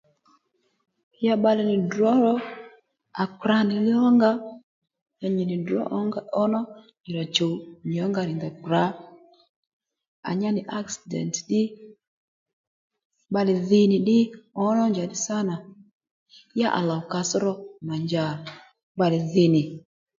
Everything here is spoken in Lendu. Ya bbalè nì ddrǒ ro à kprà nì li ó nga ya nyì nì ddrǒ ǒnga ó nó nyì rà chùw nyì ó nga nì ndèy kprǎ à nyá nì áksìdènt ddí bbalè dhi nì ddí ǒ nó njà ddí sǎ nà ya à lòw kàss ro mà nja bbalè dhi nì